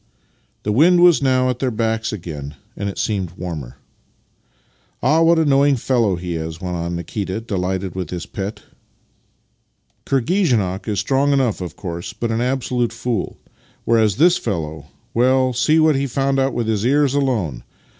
' The wind was now at their backs again, and it seemed warmer. " Ah, what a knowing fellow he is! " went on Nikita, delighted with his pet. " Kirghizenok is strong enough, of course, but an absolute fool; whereas this fellow — well, see what he found out with his ears alone!